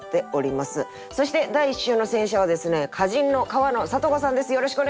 そして第１週の選者はですね歌人の川野里子さんです。